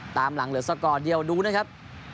ตามหลังเหลือสกอร์เดียวดูนะครับ